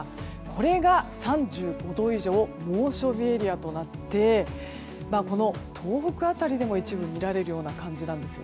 これが３５度以上猛暑日エリアとなって東北辺りでも一部見られるような感じなんです。